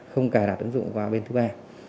không cài đặt ứng dụng vào bên thứ ba